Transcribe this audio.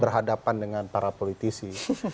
berhadapan dengan para politisi